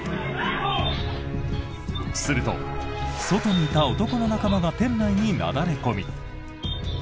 すると、外にいた男の仲間が店内になだれ込み。